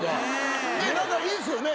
何かいいっすよね。